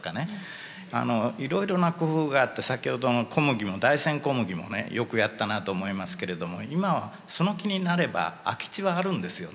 あのいろいろな工夫があって先ほどの小麦も大山こむぎもねよくやったなと思いますけれども今はその気になれば空き地はあるんですよね。